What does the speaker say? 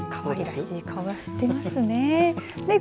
かわいらしい顔してますね。